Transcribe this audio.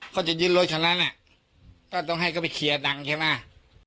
เขาจะยึดรถคันนั้นก็ต้องให้เขาไปเคลียร์ดังใช่ไหม